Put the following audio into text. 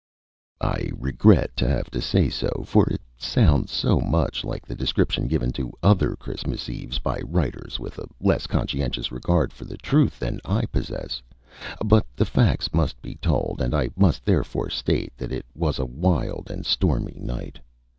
I regret to have to say so, for it sounds so much like the description given to other Christmas Eves by writers with a less conscientious regard for the truth than I possess, but the facts must be told, and I must therefore state that it was a wild and stormy night.